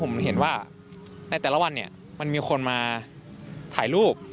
ผมเห็นว่าในแต่ละวันเนี่ยมันมีคนมาถ่ายรูป